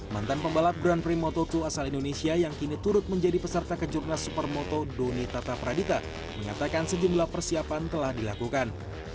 mantan pembalap grand prix moto dua asal indonesia yang kini turut menjadi peserta kejurnas supermoto doni tata pradita mengatakan sejumlah persiapan telah dilakukan